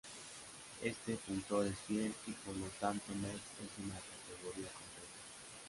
Este funtor es fiel, y por lo tanto Met es una categoría concreta.